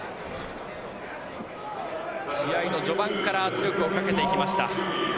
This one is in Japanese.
試合の序盤から圧力をかけていきました。